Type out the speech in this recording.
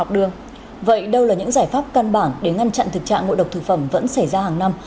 đây là những giải pháp căn bản để ngăn chặn thực trạng ngộ độc thực phẩm vẫn xảy ra hàng năm